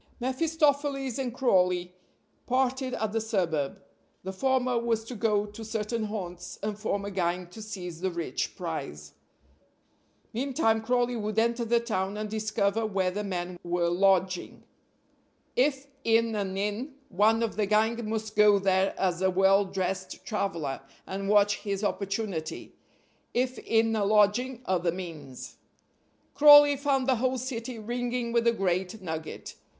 mephistopheles and Crawley parted at the suburb; the former was to go to certain haunts and form a gang to seize the rich prize. Meantime Crawley would enter the town and discover where the men were lodging. If in an inn, one of the gang must go there as a well dressed traveler, and watch his opportunity. If in a lodging, other means. Crawley found the whole city ringing with the great nugget.